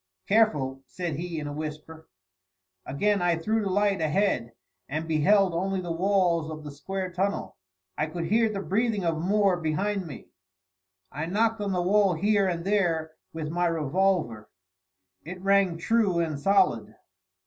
"Careful!" said he in a whisper. Again I threw the light ahead, and beheld only the walls of the square tunnel. I could hear the breathing of Moore behind me. I knocked on the wall here and there with my revolver; it rang true and solid.